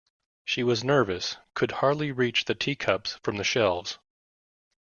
She was nervous, could hardly reach the teacups from the shelves.